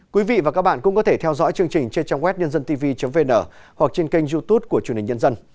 quý vị và các bạn cũng có thể theo dõi chương trình trên trang web nhân dân tv vn hoặc trên kênh youtube của truyền hình nhân dân